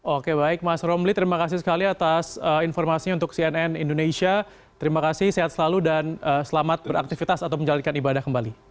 oke baik mas romli terima kasih sekali atas informasinya untuk cnn indonesia terima kasih sehat selalu dan selamat beraktivitas atau menjalankan ibadah kembali